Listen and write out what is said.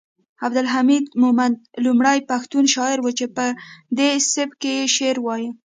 عبدالحمید مومند لومړی پښتون شاعر و چې پدې سبک یې شعر وایه